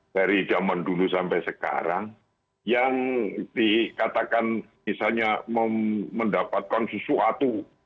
dari zaman dulu sampai sekarang yang dikatakan misalnya mendapatkan sesuatu